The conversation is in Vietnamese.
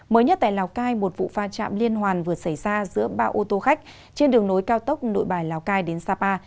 mới nhất tại lào cai một vụ pha chạm liên hoàn vừa xảy ra giữa ba ô tô khách trên đường nối cao tốc nội bài lào cai đến sapa